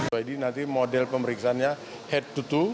jadi nanti model pemeriksaannya head to toe dari komputer